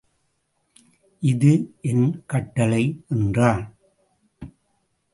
இது என் கட்டளை என்றான்.